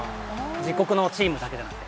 自国のチームだけじゃなくて。